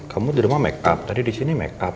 kamu di rumah makeup tadi di sini makeup